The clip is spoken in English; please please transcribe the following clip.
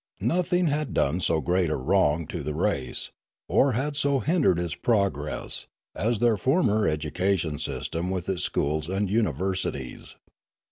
Nothing had done so great a wrong to the race, or had so hindered its progress, as their former education system with its schools and universities.